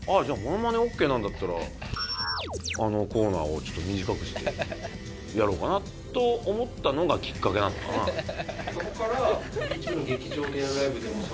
じゃあモノマネオッケーなんだったらあのコーナーをちょっと短くしてやろうかなと思ったのがきっかけなのかな。